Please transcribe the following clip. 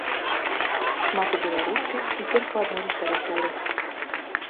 Шмат і беларускай, і перакладной літаратуры.